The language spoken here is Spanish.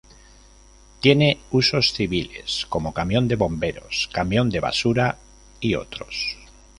Tiene usos civiles como camión de bomberos, camión de basura y otros.